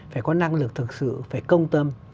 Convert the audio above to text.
phải có năng lực thực sự phải công tâm